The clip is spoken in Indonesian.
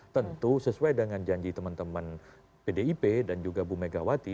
tentu sesuai dengan janji teman teman pdip dan juga bu megawati